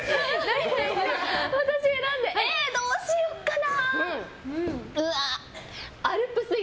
どうしようかな。